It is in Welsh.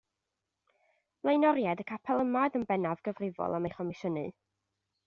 Blaenoriaid y capel yma oedd yn bennaf gyfrifol am ei chomisiynu.